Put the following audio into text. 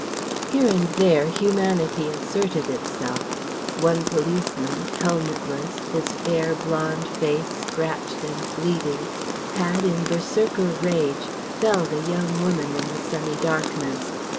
Here and there humanity asserted itself. One policeman helmetless, his fair, blond face scratched and bleeding had in berserkr rage felled a young woman in the semi darkness.